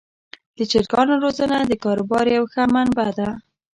د چرګانو روزنه د کاروبار یوه ښه منبع ده.